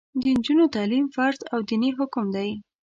د نجونو تعلیم فرض او دیني حکم دی.